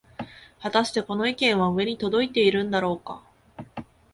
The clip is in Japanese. はたしてこの意見は上に届いているんだろうか